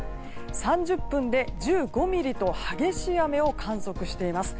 ３０分で１５ミリと激しい雨を観測しています。